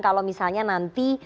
kalau misalnya nanti